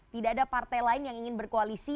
tidak ada partai lain yang ingin berkoalisi